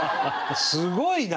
すごいな！